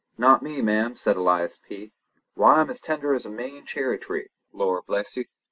"Not me, ma'am," said Elias P. "Why, I'm as tender as a Maine cherry tree. Lor, bless ye.